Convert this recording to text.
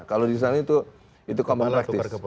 kalau di sana itu itu kompleks